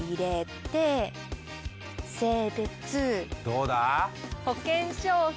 どうだ？